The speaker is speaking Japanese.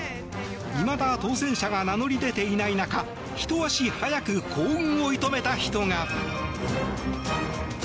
いまだ当選者が名乗り出ていない中ひと足早く幸運を射止めた人が。